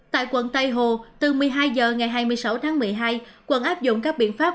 tại quận tây hồ từ một mươi hai h ngày hai mươi sáu tháng một mươi hai quận áp dụng các biện pháp